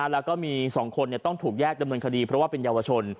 แล้วก็มี๒คนต้องถูกแยกดำเนินคดีเพราะว่าเป็นเยาวชน